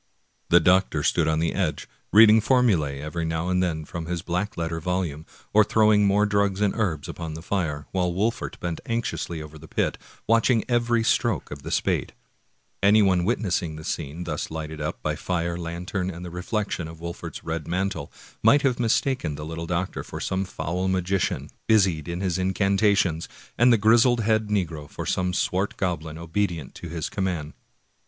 The doctor stood on the edge, reading ' A German exclamation of anger, equivalent to the English "zounds!" 213 American Mystery Stories formulae every now and then from his black letter volume, or throwing more drugs and herbs upon the fire, while Wolfert bent anxiously over the pit, watching every stroke of the spade. Anyone witnessing the scene thus lighted up by fire, lantern, and the reflection of Wolfert's red mantle, might have mistaken the little doctor for some foul magi cian, busied in his incantations, and the grizzly headed negro for some swart goblin obedient to his commands.